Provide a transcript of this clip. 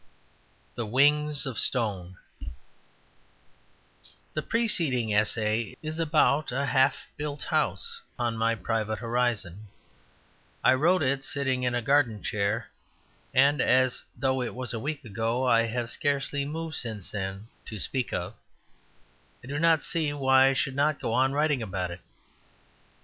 The Wings of Stone The preceding essay is about a half built house upon my private horizon; I wrote it sitting in a garden chair; and as, though it was a week ago, I have scarcely moved since then (to speak of), I do not see why I should not go on writing about it.